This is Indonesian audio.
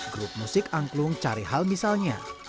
grup musik angklung cari hal misalnya